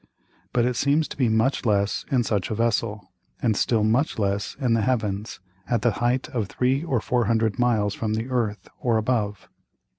But it seems to be much less in such a Vessel, and still much less in the Heavens, at the height of three or four hundred Miles from the Earth, or above.